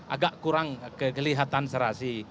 agak kurang kelihatan serasi